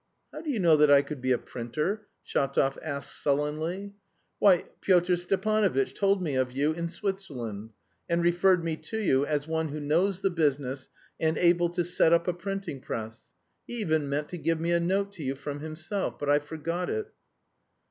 "How do you know that I could be a printer?" Shatov asked sullenly. "Why, Pyotr Stepanovitch told me of you in Switzerland, and referred me to you as one who knows the business and able to set up a printing press. He even meant to give me a note to you from himself, but I forgot it."